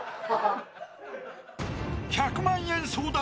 ［１００万円争奪！